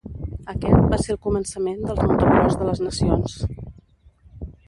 Aquest va ser el començament del Motocròs de les Nacions.